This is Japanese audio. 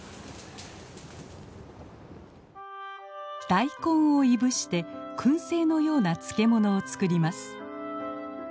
大根をいぶしてくん製のような漬け物を作ります。